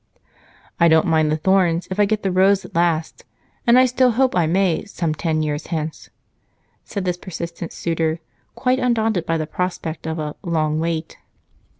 "I don't mind the thorns if I get the rose at last, and I still hope I may, some ten years hence," said this persistent suitor, quite undaunted by the prospect of a "long wait."